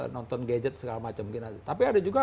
nonton gadget segala macam gitu tapi ada juga